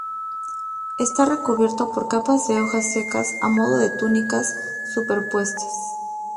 Está recubierto por capas de hojas secas, a modo de túnicas superpuestas.